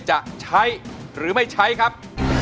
จะใช้หรือไม่ใช้ครับ